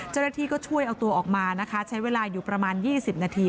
เจอหน้าที่ก็ช่วยออกมานะคะใช้เวลาอยู่ประมาณยี่สิบนาที